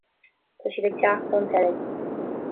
tá siad ag teacht ón tseilg